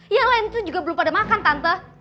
yang lain tuh juga belum pada makan tante